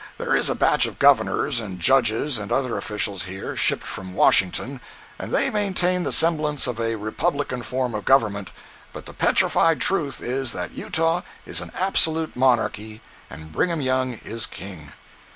"There is a batch of governors, and judges, and other officials here, shipped from Washington, and they maintain the semblance of a republican form of government—but the petrified truth is that Utah is an absolute monarchy and Brigham Young is king!"